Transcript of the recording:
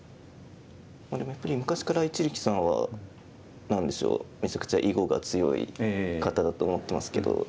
でもやっぱり昔から一力さんは何でしょうめちゃくちゃ囲碁が強い方だと思ってますけど。